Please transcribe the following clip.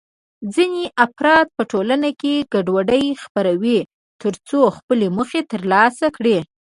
ځینې افراد په ټولنه کې ګډوډي خپروي ترڅو خپلې موخې ترلاسه کړي.